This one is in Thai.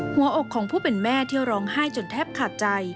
หัวอกของผู้เป็นแม่ที่ร้องไห้จนแทบขาดใจ